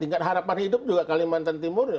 tingkat harapan hidup juga kalimantan timur